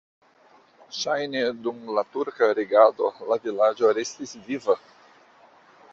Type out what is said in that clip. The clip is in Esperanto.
Ŝajne dum la turka regado la vilaĝo restis viva.